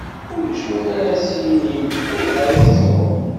Ulac win ara as-yinin: ayɣer i tettruḍ.